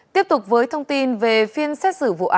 tiếp tục với thông tin về phiên xét xử vụ án